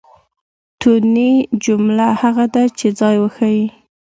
توني؛ جمله هغه ده، چي ځای وښیي.